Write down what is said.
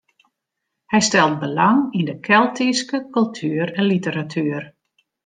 Hy stelt belang yn de Keltyske kultuer en literatuer.